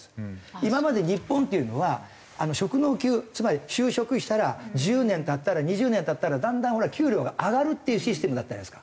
今まで日本っていうのは職能給つまり就職したら１０年経ったら２０年経ったらだんだん給料が上がるっていうシステムだったじゃないですか。